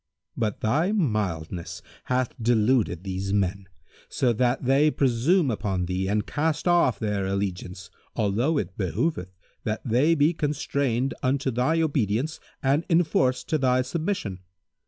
But thy mildness hath deluded these men, so that they presume upon thee and cast off their allegiance, although it behoveth that they be constrained unto thy obedience and enforced to thy submission.